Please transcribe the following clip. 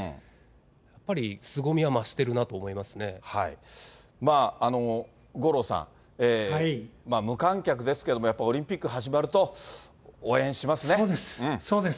やっぱり、すごみは増してるなと五郎さん、無観客ですけれども、やっぱりオリンピック始まると、そうです、そうです。